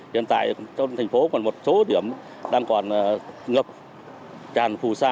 hiện tại trong thành phố còn một số điểm đang còn ngập tràn phù sa